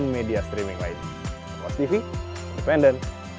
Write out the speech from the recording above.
makan dulu aja makan dulu